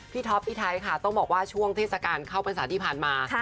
ท็อปพี่ไทยค่ะต้องบอกว่าช่วงเทศกาลเข้าพรรษาที่ผ่านมา